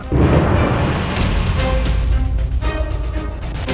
dugaan perbuatan elsa di masa lalu